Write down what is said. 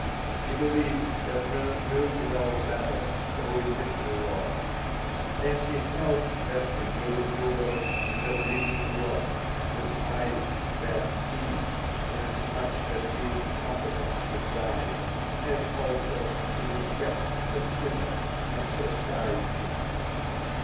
He believed that men do grow better through written laws, and he held that the good ruler is a living law with eyes that see, inasmuch as he is competent to guide and also to detect the sinner and chastise him.